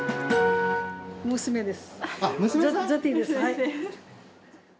娘です。